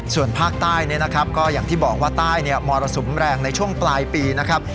ส่วนภาคใต้เนี่ยนะครับก็อย่างที่บอกว่าใต้มรสุมแรงในช่วงปลายปีนะครับ